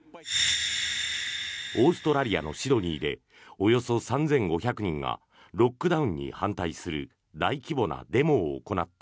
オーストラリアのシドニーでおよそ３５００人がロックダウンに反対する大規模なデモを行った。